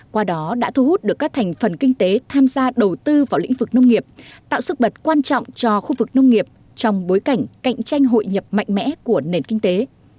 qua đó đã thu hút được các thành phần kinh tế tham gia đầu tư vào lĩnh vực nông nghiệp tạo sức bật quan trọng cho khu vực nông nghiệp trong bối cảnh cạnh tranh hội nhập mạnh mẽ của nền kinh tế